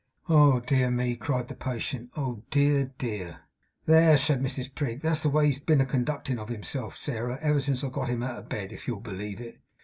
'Oh dear me!' cried the patient, 'oh dear, dear!' 'There!' said Mrs Prig, 'that's the way he's been a conductin of himself, Sarah, ever since I got him out of bed, if you'll believe it.